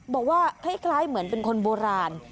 บอกว่าคล้ายเหมือนเป็นคนโบราณ